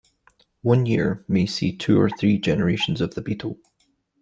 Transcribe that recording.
One year may see two or three generations of the beetle.